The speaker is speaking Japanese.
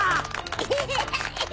エヘヘヘ。